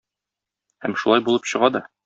Һәм шулай булып чыга да.